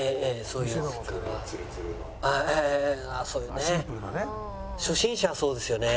そういうね。